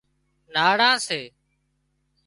ناڙان سي